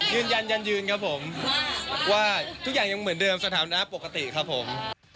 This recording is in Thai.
ยืนยันยันยืนครับผมว่าทุกอย่างยังเหมือนเดิมสถานะปกติครับผม